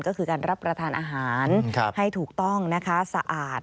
ก็คือการรับประทานอาหารให้ถูกต้องนะคะสะอาด